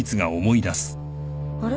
あれ？